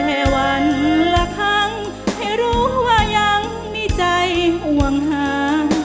วันละครั้งให้รู้ว่ายังมีใจห่วงหา